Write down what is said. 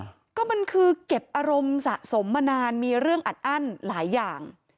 ก็มันคือเก็บอารมณ์สะสมมานานมีเรื่องอัดอั้นหลายอย่าง